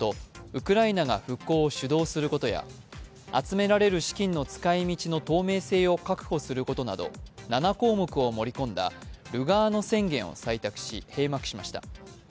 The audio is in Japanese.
ウクライナが復興を主導することや集められる資金の使い道の透明性を確保することなど７項目を盛り込んだルガーノ宣言を採択し閉幕しました。